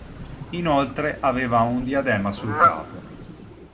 Inoltre aveva un diadema sul capo.